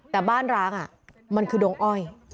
แต่บ้านร้างมันคือดงอ้อย